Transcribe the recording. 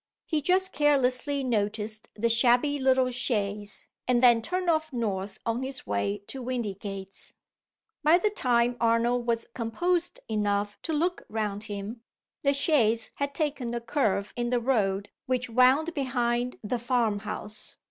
He just carelessly noticed the shabby little chaise, and then turned off north on his way to Windygates. By the time Arnold was composed enough to look round him, the chaise had taken the curve in the road which wound behind the farmhouse.